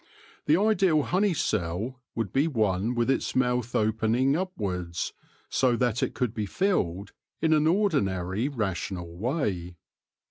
The ideal honey cell would be one with its mouth opening upwards, so that it could be filled in an ordinary rational way.